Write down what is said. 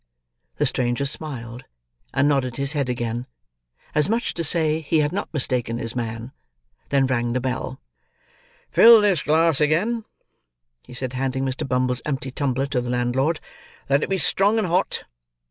The stranger smiled, and nodded his head again: as much to say, he had not mistaken his man; then rang the bell. "Fill this glass again," he said, handing Mr. Bumble's empty tumbler to the landlord. "Let it be strong and hot.